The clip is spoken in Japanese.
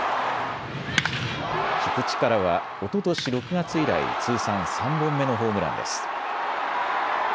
菊池からはおととし６月以来通算３本目のホームランです。